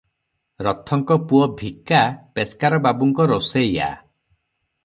ରଥଙ୍କ ପୁଅ ଭିକା ପେସ୍କାର ବାବୁଙ୍କ ରୋଷେଇଆ ।